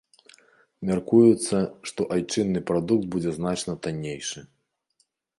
Мяркуецца, што айчынны прадукт будзе значна таннейшы.